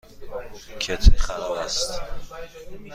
کتری خراب است.